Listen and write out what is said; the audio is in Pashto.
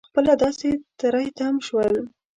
خپله داسې تری تم شول.